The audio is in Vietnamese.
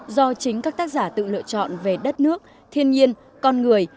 do chính các tác giả tự lựa chọn về đất nước thiên nhiên con người